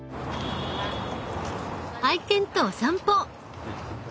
愛犬とお散歩。